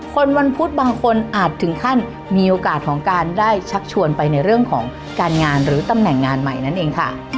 วันพุธบางคนอาจถึงขั้นมีโอกาสของการได้ชักชวนไปในเรื่องของการงานหรือตำแหน่งงานใหม่นั่นเองค่ะ